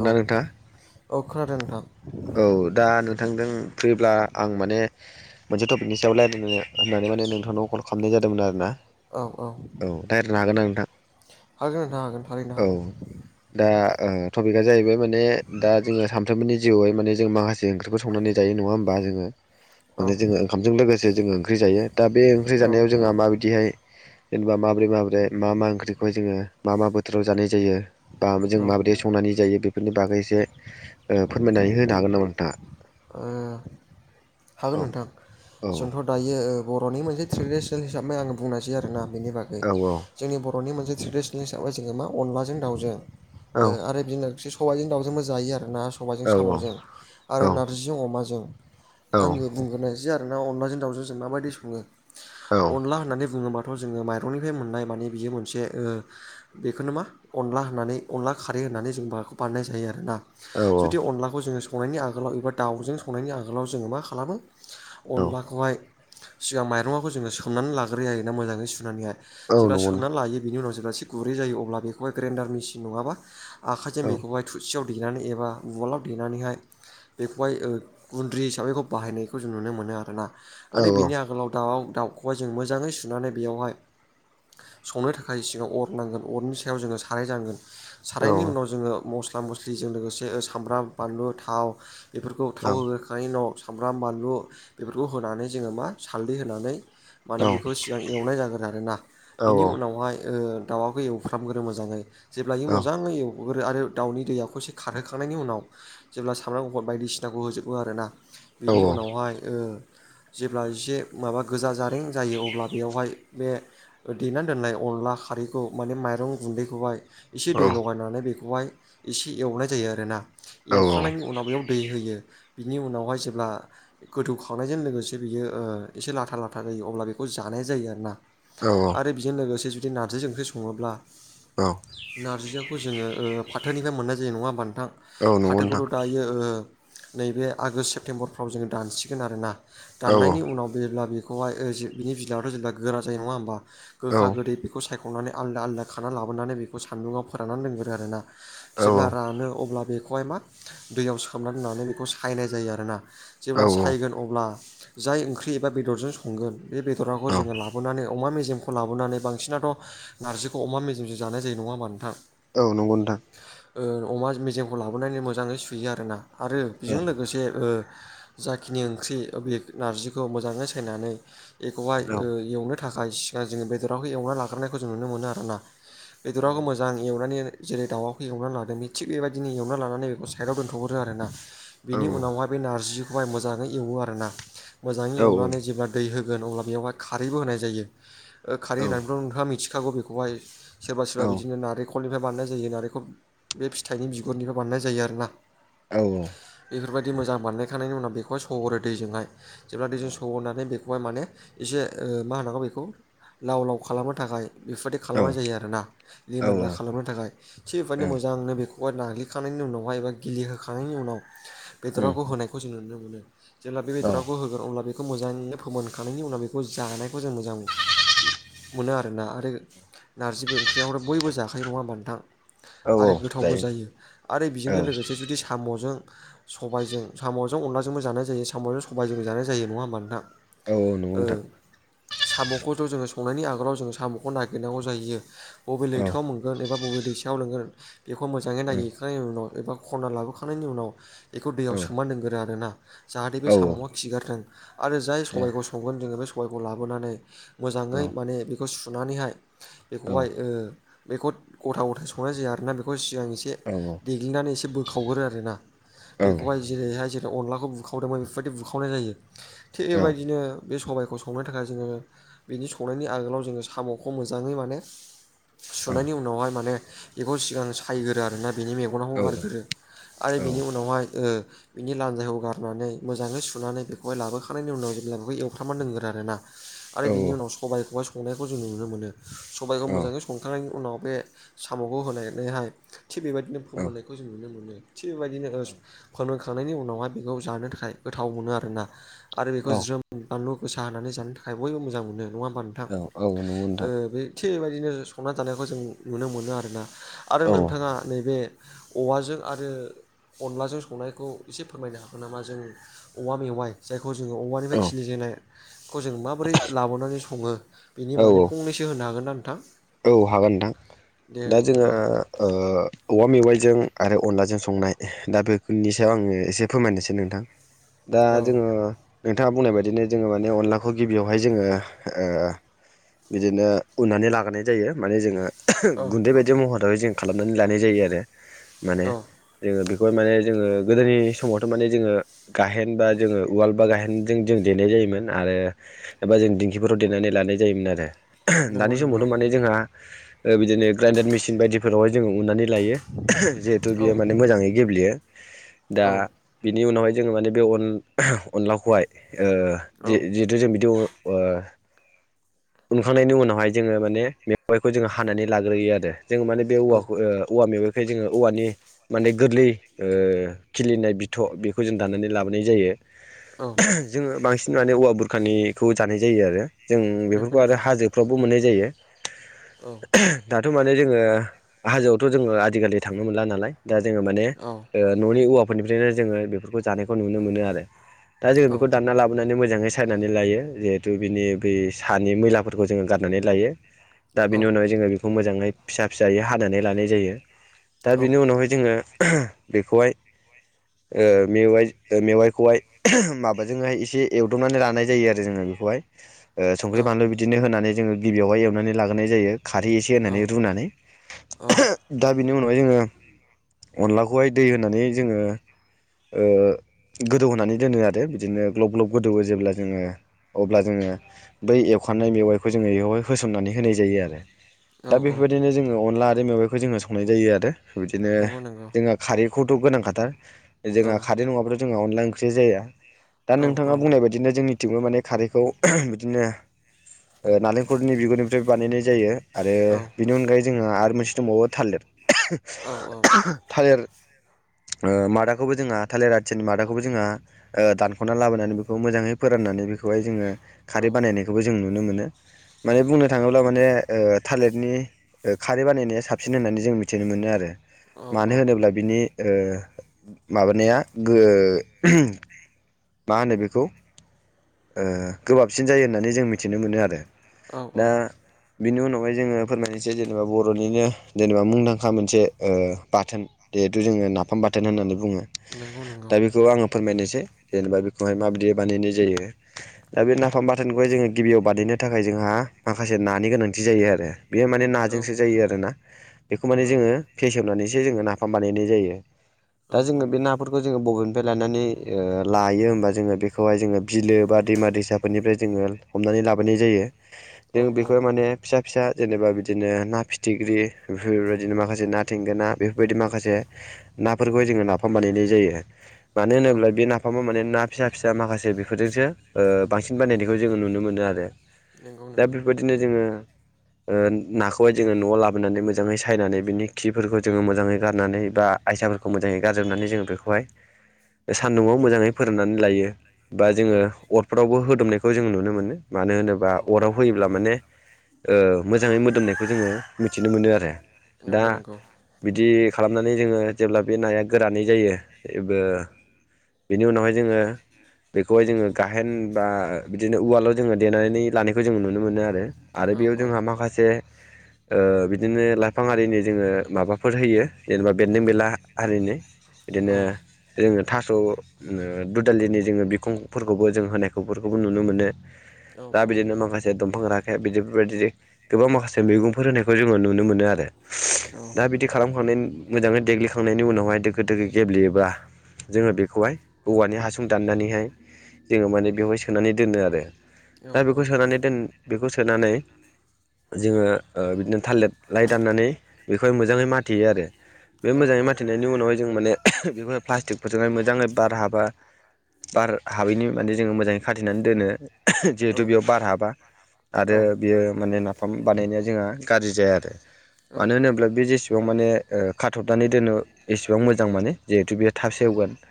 औ औ नोंथाङा? औ खोनादों नोंथां? औ दा नोंथांजों फ्रिब्ला आं माने। मोनसे टपिकनि सायाव रायज्लायनो होननानै माने नोंथांनाव कल खालामनाय जादोंमोन आरो ना। औ औ। औ रायलायनो हागोना नोंथां। हागोन नोंथां हागोन थारैनो औ हागोन। दा टपिकआ जाहैबाय माने दा जोङो सानफ्रोमबोनि जिउआवहाय माने जों माखासे ओंख्रिखौ संनानै जायो नङा होमबा जोङो। [inaudible] माने जोंङो ओंखामजों लोगोसे जोंङो ओंख्रि जायो दा बे ओंख्रि औ जानायाव जोंहा माबायदिहाय जेनेबा माबोरै माबोरै मा मा ओंख्रिखौहाय जोंङो मा मा बोथोराव जानाय जायो। बा जों औ ओ मा बायदि संनानै जायो। बेफोरनि बागै एसे फोरमायनानै होनो हागोन नामा नोंथाङा। ओ औ हागोन नोंथां। औ जोंथ' दायो बर'नि मोनसे ट्रेडिसनेल हिसाबै आङो बुंनोसै आरोना बेनि बागै। औ औ जोंनि बर'नि मोनसे ट्रेडिसनेल हिसाबै जोङो मा अनलाजों दाउजों औ आरो। बिनोख सबाइजों दाउजोंबो जायो आरो ना औ सबाइजों साम'जों आरो नार्जिजों अमाजों। औ आंङो बुंग्रोनायसै आरोना अनलाजों दाउजों जों माबायदि संङो अनला होननानै बुंङोबाथ' थ' जोंङो माइरंनिफ्राय मोननाय माने बियो मोनसे ओ बेखौनो मा अनला होननानै अनला खारै होननानै जों माबाखौ बानायनाय जायो आरोना औ जुदि अनलाखौ जोंङो संनायनि आगोलाव एबा दाउजों संनायनि आगोलाव जोंङो मा खालामो अनलाखौहाय सिगां माइरंङाखौ जोंङो सोमनानै लाग्रोयो जायोना मोजांङै सुनानैहाय जेब्ला सोमनानै लायो बिनि उनाव जेब्ला एसे गुरै जायो अब्ला बेखौहाय ग्रेन्डार मेसिन नंङाबा आखाइजों मेगह थुरसिसेयाव। देनानै एबा उवालाव देनानैहाय बेखौहाय गुन्द्रि हिसाबैखौ बाहायनायखौ जों नुनो मोनो आरोना आरो बिनि आगोलाव दाउ दाउ गइजों मोजांङै सुनानै बेवहाय संनो थाखाय सिगां अर नांगोन अरनि सायाव जोंङो साराय नांगोन। सारनि उनाव जोंङो मस्ला मस्लिजों लोगोसे सामब्राम बानलु थाव बेफोरखौ थाव होगोखांनायनि उनाव सामब्राम बानलु बेफोरखौ होनानै जोंङो मा सालदै होनानै माने बेखौ सिगां एवनाय जागोन आरोना। बेनि उनावहाय ओ दाउआ होयो उफ्र्रामग्रो मोजांङै जेब्लाायि मोजां होयो। हग्रो आरो दाउनि दैयाखौ एसे खारहोखांनायनि उनाव जेब्ला सामब्राम गुफुर बायदिसिनाखौ होजोबो आरोना। बेनि उनावहाय ओ जेब्ला एसे माबा गोजा जा लरें जायो, अब्ला बेयावहाय बे देनानै दोननाय अनला खारैखौ माने माइरं गुन्दैखौहाय एसे दै लगायनानै बेखौहाय एसे एवनाय जायो आरोना एवखांनायनि उनाव बेयाव दै होयो। बिनि उनावहाय जेब्ला गोथौ खावनायजों लोगोसे बियो एसे ओ लाथा लाथा जायो अब्ला बेखौ जानाया जायो आरोना औ। आरो बेजों लोगोसे जुदि नारजि ओंख्रि संङोब्ला औ। नारजियाखौ जोंङो ओ फाथोनिफ्राय मोननाय जायो नङा होनबा नोंथां। नंगौ नोंथां फाथोखौथ' दायो बियो ओ नैबे आगषट सेप्तेम्बरफ्राव जोंङो दानसिगोन आरोना। औ दाननायनि उनाव जेब्ला बेखौहायओ बिनि बिलाइआवथ' जेब्ला गोरा जायो नङा होमबा। गोखा गोदै बेखौ सायख'नानै आलदा आलदा खाना लाबोनानै बेखौ सान्दुङाव फोराननानै लोंगोरो आरोना। औ जेब्ला रानो अब्ला बेखौहाय मा दैयाव सोमना दोननानै बेखौ सायनाय जायो आरोना। औ जेब्ला सायगोन अब्ला जाय ओंख्रि एबा बेदरजों संगोन बे बेदराखौ औ जोंङो औ ला बोनानै अमा मेजेमखौ लाबोनानै बांसिनाथ' नारजिखौ अमा मेजेमजों जानाय जायो नंङा होमबा नोंथां। औ नंगौ नोंथां। औ ओ अमा मेजेमखौ लाबोनानै मोजांङै सुयो आरोना आरो बेजों औ औ लोगोसे ओ जाखिनि ओंख्रि बे नारजिखौ मोजांङै सायनानै एखौहाय औ ओ औ नंगौ एवनो थाखाय सिगां जोंङो बेदरावखौ एवना लाग्रोनायखौ जों नुनो मोनो आरोना। नोंथां औ बेदराखौ मोजां एवनानै जेरै दाउाखौ एवनानै लादों बे थिग बे बायदिनो एवना लानानै बेखौ साइडआव दोन्थ'हरो आरोना। बेनि औ उनावहाय द बे नारजिखौहाय मोजाङै एवो आरोना मोजाङै एवनानै जेब्ला दै होगोन अब्ला बेयावहाय खारैबो होनाय जायो खारै होनानै नोंथाङा मिथिखागौ बेखौहाय सोरबा सोरबा बिदिनो नारेंखलनिफ्राय बानायनाय जायो नारेंखल बे फिथाइनि बिगुरनिफ्राय बानायनाय जायो आरो ना औ औ बेफोरबायदि मोजां बानायखांनायनायनि उनाव बेखौहाय सरो दैजोंहाय जेब्ला दैजों सहरनानै बेखौहाय माने एसे ओ मा होनांगौ बेखौ लाव लाव खालामनो थाखाय बेफोरबायदि खालामनाय जायो आरोना। लिमोनला औ खालामनो थाखाय थिग बे बायदिनो मोजांनो बेखौ नाग्लिखांनायनि उनावहाय एबा गिलिहोखांनायनि उनाव औ उम बेदराखौ होनायखौ जों नुनो मोनो। जेब्ला औ बेदरखौ होगोन अब्ला बे बेखौ मोजाङै फोमोनखांनायनि उनाव बेखौ जानायखौ जों मोजां मोनो आरोना आरो नारजिबो ओंख्रियाव बयबो जाखायो नङा होनबा नोंथां औ आरो गोथावबो जायो आरो औ बेजोंनो औ लोगोसे जुदि साम'जों सबायजों साम'जों अनलाजोंबो जानाय जायो साम'जों सबायजों जानाय जायो नङा होमबा नोंथां औ नंगौ ओ नोंथां साम'खौथ' जोङो संनायनि आगोलाव जोङो साम'खौ नागिरनांगौ जायो बबे औ लैथोआव मोनगोन एबा बबे दैसायाव लोंगोन बेखौ मोजाङै नागिर हैखांनायनि उनाव एबा खनना लाबोखांनायनि उनाव बेखौ दैयाव सोमना दोनगोन आरोना जाहाथे औ बे साम'आ खिगारदों आरो जाय औ सबायखौ संगोन जोङो बे सबायखौ लाबोनानै मोजाङै माने बेखौ सुनानैहाय औ बेखौहाय ओ बेखौ गथा गथाय संनाय जाया आरोना बेखौ सिगां एसे औ औ दिनानै एसे बोखावगोरो आरो ना औ नंगौ बेखौहाय जेरैहाय जेरै अनलाखौ बुखावदोंमोन बेफोरबायदि बुखावनाय जायो थिग बेबायदिनो बे सबायखौ संनो थाखाय जोङो बिनि संनायनि आगोलाव जोङो साम'खौ मोजाङै माने सुनायनि उनावहाय माने बेखौ सिगां सायग्रो आरोना बेनि मेगन दखनाखौ गारग्रो आरो बिनि उनावहाय बिनि लानजायखौ गारनानै मोजाङै सुनानै बेखौहाय लाबोखांनायनि उनाव जेब्ला बेखौ एवफ्रामना दोनगोन आरोना आरो बिनि उनाव सबायखौ संनायखौ जों नुनो मोनो सबायखौ मोजाङै सं संखांनायनि उनाव बे साम'खौ होलायनायहाय थिग बेबायदिनो फोमोनायखौ जों नुनो मोनो थिग बेबायदिनो फोमोनखांनायनि उनावहाय बेखौ जानो थाखाय गोथाव मोनो आरोना आरो बेखौ ज्रोम बानलु गोसा होनानै जानो थाखाय बयबो मोजां मोनो नङा होनबा नोंथां ओ नोंथां बे थिबायदिनो संना जानायखौ जों नुनो मोनो आरोना आरो औ नोंथाङा नैबे औवाजों आरो अनलाजों संनायखौ एसे फोरमायनो हागोन नामा जों औवा मेवाइ जायखौ जोङो औ औवानिफ्राय खिलिजेननाय खौ जों माबोरै लाबोनानै सङो बेनि औ बागै फंनैसो होनो हागोन ना नोंथां औ हागोन दे नोंथां दा जोङो बिदिबा ओ औवा मेवाइजों आरो अनलाजों संनाय दा बेफोरनि सायाव आङो एसे फोरमायनोसै नोंथां लांदां दा जोङो नोंथाङा बुंनाय बायदिनो जोङो माने अनलाखौ गिबियावहाय जोङो बिदिनो उननानै लाग्रोनाय जायो माने जोङो औ गुन्दै बायदि महरावै जों खालामनानै लानाय जायो आरो माने औ जोङो बेखौहाय माने जोङो गोदोनि समावथ' माने जोङो गाहेन बा जोङो उवाल बा गाहेनजों जों देनाय जायोमोन आरो एबा जों दिंखिफोराव देनानै लानाय जायोमोन आरो नंगौ दानि नंगौ समावथ' माने जोंहा बिदिनो ग्राइडार मेसिन बायदिफोरावहाय जोङो उननानै लायो जिहेथु औ बियो माने मोजाङै गेब्लेयो दा औ बिनि उनावहाय जोङो माने बेन अनलाखौहाय औ जों बिदियाव उनखांनायनि उनावहाय जोङो माने मेवाइखौ जोङो हानानै लाग्रोयो आरो जोङो माने बे औ औवाखौ औवा मेवाइखाय जोङो औवानि माने गोरलै खिलिनाय बिथ' बेखौ जों दानानै लाबोनाय जायो औ जोङो बांसिन माने औवा बुरखानिखौ जानाय जायो आरो जों बे नोंखौ नंगौ बेफोरावबो मोननाय जायो औ दाथ' माने जोङो हाजोआवथ' जोङो आजिखालि थांनो मोनला नालाय दा जोङो माने औ न'नि औवाफोरनिफ्रायनो जोङो बेफोरखौ जानायखौ नुनो मोनो आरो दा जोङो औ बेखौ दानना लाबोनानै मोजाङै सायनानै लायो जिहेथु बिनि बै हानि मैलाफोरखौ जोङो गारनानै लायो दा औ बिनि उनावहाय जोङो बेखौ मोजाङै फिसा फिसायै हानानै लानाय जायो दा औ बेनि उनावहाय जोङो बेखौहाय मेवाइ मेवाइखौहाय माबाजोंहाय एसे एवदबनानै लानाय जायो आरो जोङो बे हाय संख्रि बानलु बिदिनो होनानै जोङो गिबियावहाय एवनानै लाग्रोनाय जायो खारै एसे होनानै रुनानै औ दा बेनि उनावहाय जोङो अनलाखौहाय दै होनानै जोङो ओ गोदौ होनानै दोनो आरो बिदिनो ग्लब ग्लब गोदौवो जेब्ला जोङो अब्ला जोङो बै एवखानाय मेवाइखौ जोङो बेवहाय होसननानै होनाय जायो आरो। दा औ औ बेफोरबायदिनो जोङो अनला आरो मेवाइखौ जोङो संनाय जायो आरो बिदिनो नंगौ नंगौ जोंहा खारैखौथ' गोनांखाथार औ जोंहा खारै नङाबाथ' जोंहा अनला ओंख्रि जाया। दा औ औ नोंथाङा बुंनाय बायदिनो जोंनिथिंबो माने खारैखौ बिदिनो ओ नालेंखलनि बिगुरनिफ्राय बानायनाय जायो आरो औ बिनि अनगायै जोंहा आरो मोनसे दंबावो थालिर औ थालिर ओ मादाखौबो जोंहा थालिर आथियानि मादाखौबो जोंहा ओ दानख'ना लाबोनानै बेखौ मोजाङै फोराननानै बेखौहाय जोङो खारै बानायनाय खौबो जों नुनो मोनो माने बुंनो थाङोब्ला माने थालिरनि खारै बानायनाया साबसिन होननानै जों मिथिनो मोनो आरो। औ मानो होनोब्ला बिनि ओ माबानाया गो मा होनो बेखौ ओ गोबाबसिन जायो होननानै जों मिथिनो मोनो आरो। औ औ दा बिनि उनावहाय जोङो फोरमायनोसै जेनेबा बर'निनो जेनेबा मुंदांखा मोनसे ओ बाथोन जिहेथु जोङो नाफाम बाथोन होननानै बुङो नंगौ नंगौ दा बेखौ आङो फोरमायनोसै। जेनेबा बेखौहाय माबायदि बानायनाय जायो। दा बे नाफाम बाथोनखौहाय जोङो गिबियाव बानायनो थाखाय जोंहा माखासे नानि गोनांथि जायो आरो। बेयो माने औ नाजोंसो जायो आरो ना बेखौ माने औ जोङो फेसेवनानैसो जोङो नाफाम बानायनाय जायो दा औ जोङो बे नाफ फोरखौ जोङो बबेनिफ्राय लानानै ओ लायो होमबा जोङो बेखौहाय जोङो बिलो बा दैमा दैसाफोरनिफ्राय जोङो हमनानै लाबोनाय जायो जों औ बेखौहाय माने फिसा फिसा जेनेबा बिदिनो ना फिथिख्रि बेफोरबायदिनो माखासे ना थिंगोना बेफोरबायदि माखासे नाफोरखौ जोङो नाफाम बानायनाय जायो मानो औ होनोब्ला बे ना फामा माने ना फिसा फिसा माखासे बेफोरजोंसो ओ बांसिन बानायनायखौ जोङो नुनो मोनो आरो। नंगौ दा नंगौ बेबायदिनो जोङो ओ नाखौहाय जोङो न'आव लाबोनानै मोजाङै सायनानै बिनि खिफोरखौ जोङो मोजाङै गारनानै बा आयसाफोरखौ मोजाङै गारजोबनानै जोङो बेखौहाय सान्दुंआव मोजाङै फोराननानै लायो बा औ जोङो अरफोरावबो होदोमनायखौ जों नुनो मोनो। मानो होनोबा औ औ अराव होयोब्ला माने ओ मोजाङै मोदोमनायखौ जोङो मिथिनो मोनो आरो। दा नंगौ नंगौ। बिदि खालामनानै जोङो जेब्ला बे नाया गोरानै जायो बेनि उनावहाय जोङो बेखौहाय जोङो गाहेन बा बिदिनो उवालाव जोङो देनानै लानायखौ खौ जों नुनो मोनो आरो आरो औ बेयाव औ जोंहा माखासे ओ बिदिनो लाइफां आरिनि जोङो माबाफोर होयो। जेनेबा बेन्दों-बेनला हारिनि बिदिनो जोङो थास' ओ दुदालिप दा बिदिनो माखासे दंफां राखेब बिदिबायदि गोबां माखासे मैगंफोर होनायखौ जोङो नुनो मोनो आरो। दा बिदि खालामखांनायनि मोजाङै देग्लिखांनायनि उनावहाय दोखो दोखो गेब्लेयोबा जोङो बेखौहाय औवानि हासुं दाननानैहाय जोङो माने बेवहाय सोनानै दोनो आरो। दा बेखौ सोनानै दोन बेखौ सोनानै जोङो ओ बिदिनो थालिर लाइ दाननानै बेखौहाय मोजाङै माथेयो आरो। बे मोजाङै माथेनायनि उनावहाय जों माने बेखौहाय प्लास्टिकफोरजोंहाय मोजाङै बार हाबा बार हाबैनि माने जोङो मोजाङै खाथेनानै दोनो जिहेथु बेयाव बार हाबा। आरो बियो माने नाफाम बानायनाया जोंहा गाज्रि जाया आरो। मानो होनोब्ला बे जेसेबां माने ओ खाथबनानै दोनो एसेबां मोजां माने जिहेथु बेयो थाब सेवगोन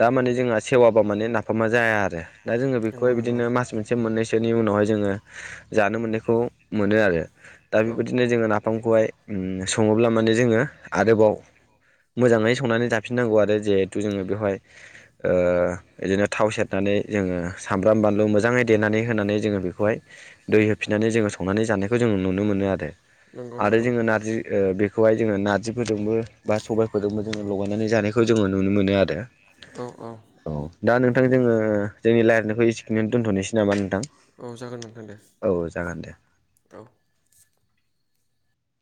दा माने जोंहा सेवाबा माने नाफामा जाया आरो दा जोङो नंगौ बेखौहाय नंगौ बिदिनो मास मोनसे मोननैसोनि उनावहाय जोङो जानो मोननायखौ मोनो आरो दा औ बेबायदिनो जोङो नाफामखौहाय सङोब्ला माने जोङो आरोबाव मोजाङै संनानै जाफिननांगौ आरो जिहेथु जोङो बेवहाय बिदिनो थाव सेरनानै जोङो सामब्राम बानलु मोजाङै देनानै होनानै जोङो बेखौहाय दै होफिननानै जोङो संनानै जानायखौ जोङो नुनो मोनो आरो नंगौ आरो नंगौ जोङो नारजि बेखौहाय जोङो नारजिफोरजोंबो बा सबायफोरजोंबो जोङो लगायनानै जानाय खौ जोङो नुनो मोनो आरो औ औ औ दा नोंथां जोङो जोंनि लायजनायखौ एसेखिनिनो दोन्थ'नोसै नामा नोंथां औ जागोन नोंथां दे औ जागोन दे औ